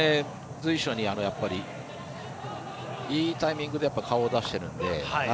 随所にいいタイミングで顔を出してるので。